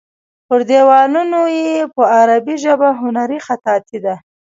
پر دیوالونو یې په عربي ژبه هنري خطاطي ده.